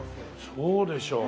そうでしょう。